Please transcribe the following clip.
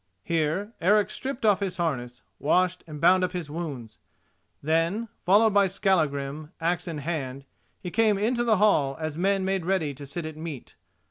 Here Eric stripped off his harness, washed, and bound up his wounds. Then, followed by Skallagrim, axe in hand, he came into the hall as men made ready to sit at meat.